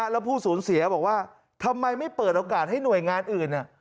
แล้วผู้สูญเสียบอกว่าทำไมไม่เปิดโอกาสให้หน่วยงานอื่น